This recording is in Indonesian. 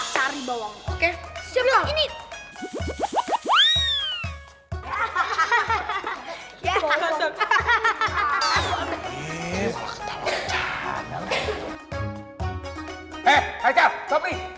cari bawang oke